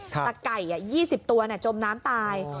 แต่ไก่๒๐ตัวจมน้ำตาย